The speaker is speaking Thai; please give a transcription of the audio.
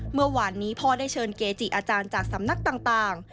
เมื่อวานนี้พ่อได้เชิญเกจิอาจารย์จากสำนักต่าง